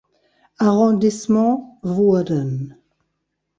Arrondissement wurden.